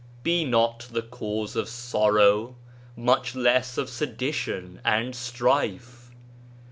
... Be not the cause of sorrow, much less of sedition and strife.